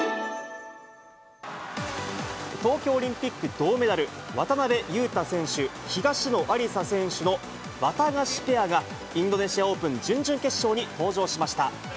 東京オリンピック銅メダル、渡辺勇大選手・東野有紗選手のワタガシペアが、インドネシアオープン準々決勝に登場しました。